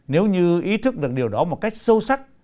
nếu như ý thức được điều đó một cách sâu sắc